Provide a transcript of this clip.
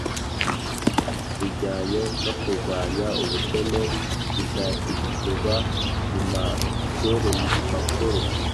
bijyanye no kurwanya ubukene bizashyigikirwa mu mashuri makuru.